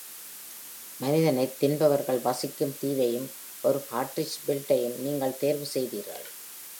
மனிதனைத் தின்பவர்கள் வசிக்கும் தீவையும் ஒரு கார்ட்ரிட்ஜ் பெல்டையும் நீங்கள் தேர்வு செய்தீர்கள்.